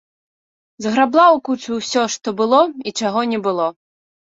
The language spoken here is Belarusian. Зграбла ў кучу ўсё, што было і чаго не было.